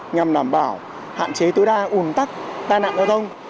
nhằm đảm bảo hạn chế tối đa ủn tắc tai nạn giao thông